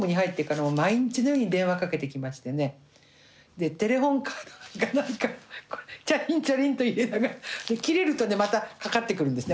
でテレホンカードがないからチャリンチャリンと入れながら切れるとまたかかってくるんですね